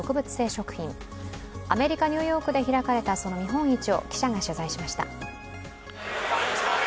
食品アメリカ・ニューヨークで開かれたその見本市を記者が取材しました。